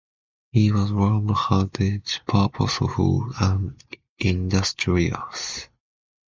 He was warm-hearted, purposeful and industrious.